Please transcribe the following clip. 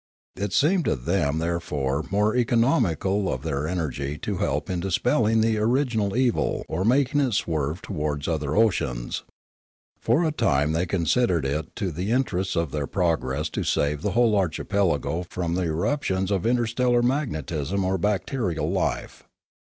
It seemed to them therefore more economical of their energy to help in dispelling the original evil or making it swerve towards other oceans. For a time they considered it to the in terests of their progress to save the whole archipelago from the irruptions of interstellar magnetism or bac terial life.